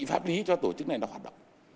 pháp lý cho tổ chức này nó hoạt động